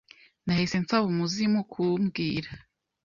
Nahise nsaba umuzimu kumbwira